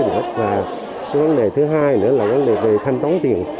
và cái vấn đề thứ hai nữa là vấn đề về thanh toán tiền